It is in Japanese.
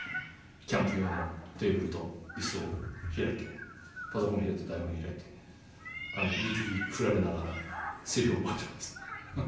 キャンプ用のテーブルと椅子を開いてパソコン開いて台本開いてね雪降られながらセリフを覚えてます。